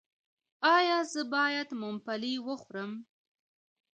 ایا زه باید ممپلی وخورم؟